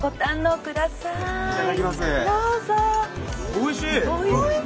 おいしい！